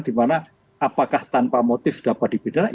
dimana apakah tanpa motif dapat dipidana